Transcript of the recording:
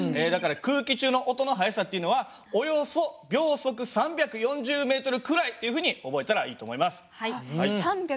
だから空気中の音の速さっていうのはおよそ秒速３４０ｍくらいっていうふうに覚えたらいいと思います。